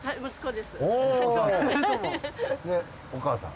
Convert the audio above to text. でお母さん。